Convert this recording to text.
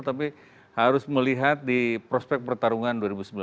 tapi harus melihat di prospek pertarungan dua ribu sembilan belas